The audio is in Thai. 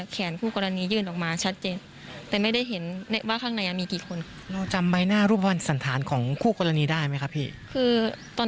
นั้นประมาณกี่นัดประมาณนั้น